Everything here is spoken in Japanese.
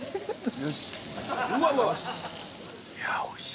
よし。